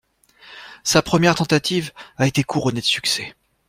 Sa première tentative a été couronnée de succès.